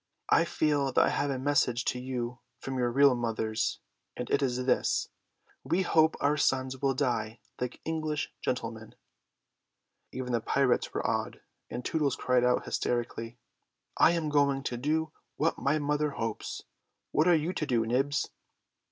"I feel that I have a message to you from your real mothers, and it is this: 'We hope our sons will die like English gentlemen.'" Even the pirates were awed, and Tootles cried out hysterically, "I am going to do what my mother hopes. What are you to do, Nibs?"